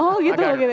oh gitu ya